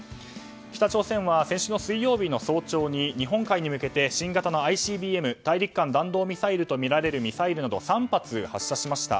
北朝鮮は先週の水曜日の早朝に日本海に向けて新型のＩＣＢＭ・大陸間弾道ミサイルとみられるミサイルなど３発を発射しました。